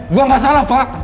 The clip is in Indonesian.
gue gak salah pak